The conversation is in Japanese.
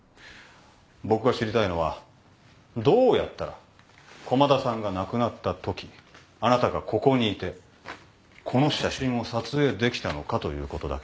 僕が知りたいのはどうやったら駒田さんが亡くなったときあなたがここにいてこの写真を撮影できたのかということだけだ。